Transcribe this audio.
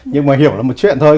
nhưng mà hiểu là một chuyện thôi